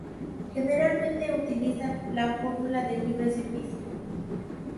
Generalmente utilizan la fórmula de libre servicio.